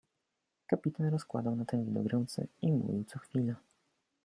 Kapitan rozkładał na ten widok ręce i mówił co chwila.